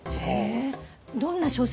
どんな小説なの？